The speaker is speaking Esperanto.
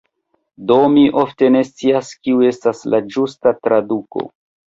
Do mi ofte ne scias, kiu estas la ĝusta traduko.